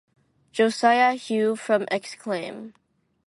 Josiah Hughes from Exclaim!